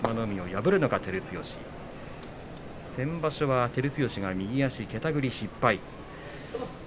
破るのか先場所は照強が右足のけたぐり失敗。